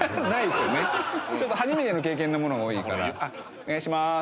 あっお願いします。